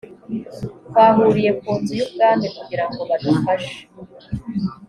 twahuriye ku nzu y’ubwami kugira ngo badufashe